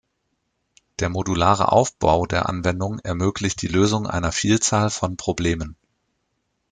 Der modulare Aufbau der Anwendung ermöglicht die Lösung einer Vielzahl von Problemen.